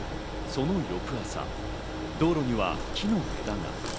その翌朝、道路には木の枝が。